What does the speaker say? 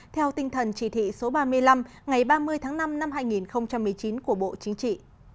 theo tinh thần chỉ thị số ba mươi năm ngày ba mươi tháng năm năm hai nghìn một mươi chín của bộ chính trị